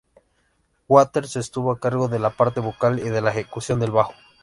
Waters estuvo a cargo de la parte vocal y de la ejecución del bajo.